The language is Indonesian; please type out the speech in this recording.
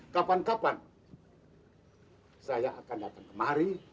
kapan kapan saya akan datang kemari